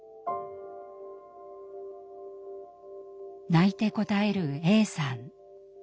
泣いて答えるＡさん。